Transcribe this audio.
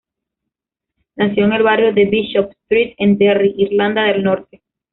Nació en el barrio de Bishop Street, en Derry, Irlanda del Norte.